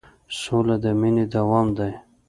سوله د مینې دوام دی.